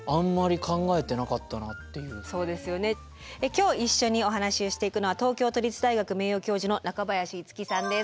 今日一緒にお話をしていくのは東京都立大学名誉教授の中林一樹さんです。